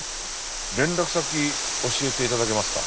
連絡先教えて頂けますか？